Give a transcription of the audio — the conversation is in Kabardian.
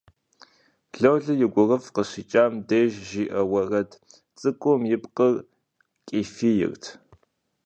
Лолэ и гурыфӀ къыщикӀам деж жиӀэ уэрэд цӀыкӀум и пкъыр къифийрт.